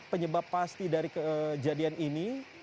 penyebab pasti dari kebakaran ini adalah kebakaran di dalam